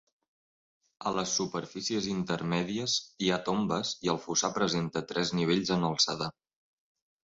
A les superfícies intermèdies hi ha tombes i el fossar presenta tres nivells en alçada.